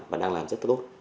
và đang làm cho tới lúc